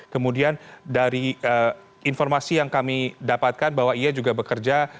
kemudian dari informasi yang kami dapatkan bahwa ia juga bekerja